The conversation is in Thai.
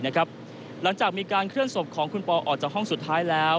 หลังจากมีการเคลื่อนศพของคุณปอออกจากห้องสุดท้ายแล้ว